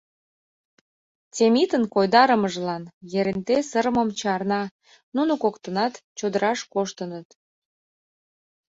Темитын койдарымыжлан Еренте сырымым чарна: нуно коктынат чодыраш коштыныт.